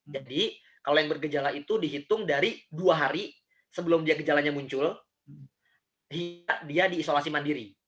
jadi kalau yang bergejala itu dihitung dari dua hari sebelum dia gejalanya muncul dia diisolasi mandiri